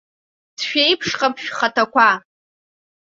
Дшәеиԥшхап шәхаҭақәа.